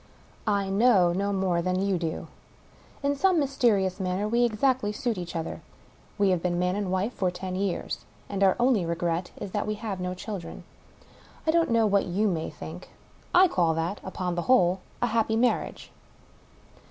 I know no more than you do. In son^ mysterious manner we exactl; suit each other. We have been man and wife for ten years, and our only, regret is, that we have no children. I don't know what you may think; / call that — upon the whole — ^a happy mar riage.